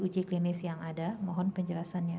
uji klinis yang ada mohon penjelasannya